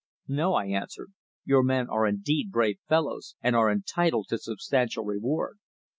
"No," I answered. "Your men are indeed brave fellows, and are entitled to substantial reward."